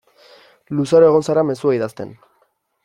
Luzaro egon zara mezua idazten.